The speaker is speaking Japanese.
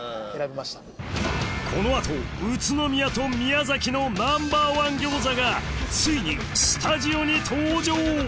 この後宇都宮と宮崎のＮｏ．１餃子がついにスタジオに登場！